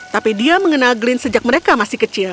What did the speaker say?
tapi dia mengenal glen sejak mereka masih kecil